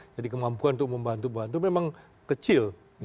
jadi kemampuan untuk membantu bantu memang kecil